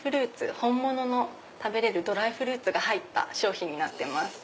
本物のドライフルーツが入った商品になってます。